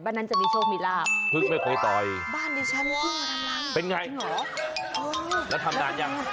นั้นจะมีโชคมีลาบพึ่งไม่เคยต่อยบ้านดิฉันว่าเป็นไงเหรอแล้วทำนานยัง